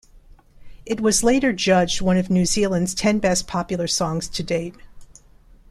It was later judged one of New Zealand's ten best popular songs to date.